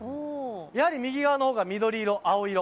やはり右側のほうが緑色、青色。